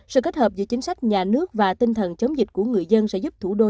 sự kết hợp giữa chính sách nhà nước và tinh thần chống dịch của người dân sẽ giúp thủ đô